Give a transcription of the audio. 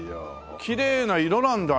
きれいな色なんだね！